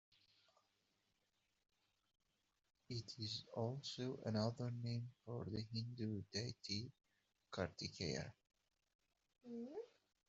It is also another name for the Hindu deity Kartikeya.